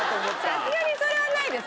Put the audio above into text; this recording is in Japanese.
さすがにそれはないですよ。